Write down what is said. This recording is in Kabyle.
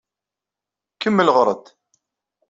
Kemmel ɣeṛ-d.